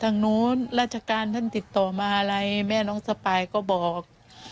ทางนู้นราชการท่านติดต่อมาอะไรแม่น้องสปายก็บอก